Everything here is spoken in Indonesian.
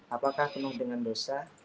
apakah penuh dengan dosa